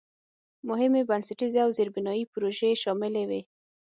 مهمې بنسټیزې او زېربنایي پروژې شاملې وې.